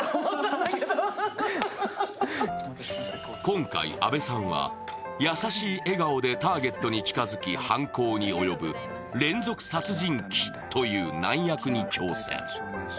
今回阿部さんは優しい笑顔でターゲットに近づき、犯行に及ぶ連続殺人鬼という難役に挑戦。